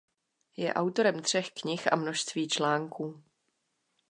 Je autorem třech knih a množství článků.